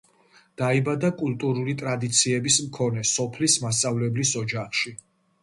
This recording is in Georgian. . დაიბადა კულტურული ტრადიციების მქონე სოფლის მასწავლებლის ოჯახში.